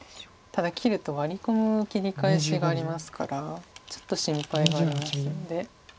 ただ切るとワリ込む切り返しがありますからちょっと心配がありますので。